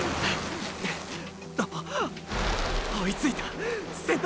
追いついた先頭！